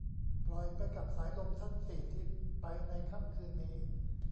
ปล่อยไปกับสายลมทั้งสี่ทิศไปในค่ำคืนนี้